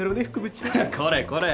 これこれ。